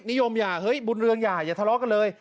นิยมอย่าเฮ้ยบุญเรืองอย่าอย่าทะเลาะกันเลย